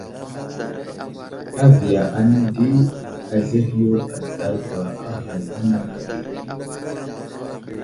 I viya anay di, azlehe yo adəɗargwa a ghay anaŋ age.